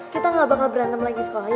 kita gak bakal berantem lagi sekolah ya